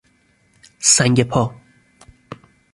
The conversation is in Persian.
سنگ پا